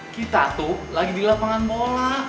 kita tuh lagi di lapangan bola